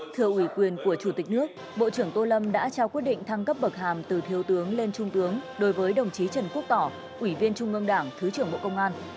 thưa ủy quyền của chủ tịch nước bộ trưởng tô lâm đã trao quyết định thăng cấp bậc hàm từ thiếu tướng lên trung tướng đối với đồng chí trần quốc tỏ ủy viên trung ương đảng thứ trưởng bộ công an